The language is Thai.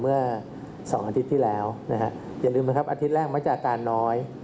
เมื่อ๒อาทิตย์ที่แล้วนะฮะอย่าลืมนะครับอาทิตย์แรกมักจะอาการน้อย